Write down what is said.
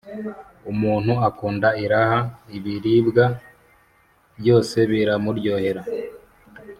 Umuntu ukunda iraha, ibiribwa byose biramuryohera,